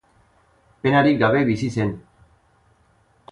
Penarik gabe bizi zen.